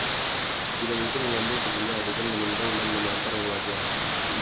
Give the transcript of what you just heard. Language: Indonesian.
Film itu mengandung sejumlah adegan menendang dan menampar yang wajar.